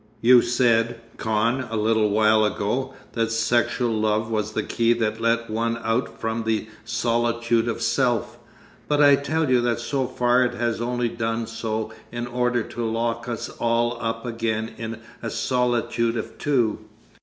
You said, Kahn, a little while ago that sexual love was the key that let one out from the solitude of self, but I tell you that so far it has only done so in order to lock us all up again in a solitude of two....